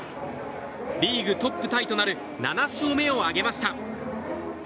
リーグトップタイとなる７勝目を挙げました。